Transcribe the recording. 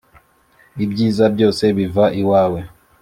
Ibyiza byose biva iwawe